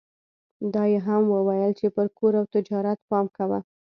دا يې هم وويل چې پر کور او تجارت پام کوه.